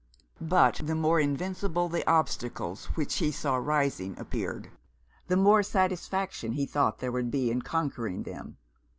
But the more invincible the obstacles which he saw rising, appeared, the more satisfaction he thought there would be in conquering them.